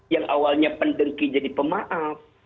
yang awalnya pendengki jadi pemaaf